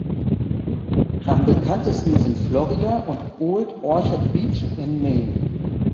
Am bekanntesten sind Florida und Old Orchard Beach in Maine.